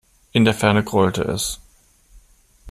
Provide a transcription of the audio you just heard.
In der Ferne grollte es.